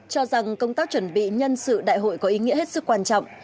cho rằng công tác chuẩn bị nhân sự đại hội có ý nghĩa hết sức quan trọng